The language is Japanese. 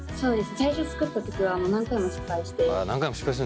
最初作った時は何回も失敗して。